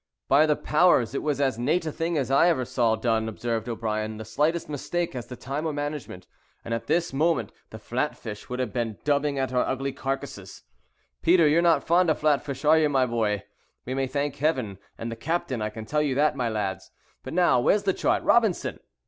"By the powers, it was as nate a thing as ever I saw done," observed O'Brien: "the slightest mistake as to time or management, and at this moment the flatfish would have been dubbing at our ugly carcases. Peter, you're not fond of flatfish, are you, my boy? We may thank Heaven and the captain, I can tell you that, my lads; but now, where's the chart, Robinson?